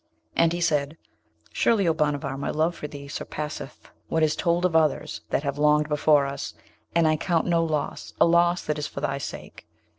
And he said, 'Surely, O Bhanavar, my love for thee surpasseth what is told of others that have loved before us, and I count no loss a loss that is for thy sake.'